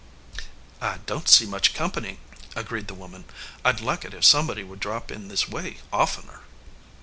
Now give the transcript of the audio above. "I don t see much company," agreed the woman. "I d like it if somebody would drop in this way oftener."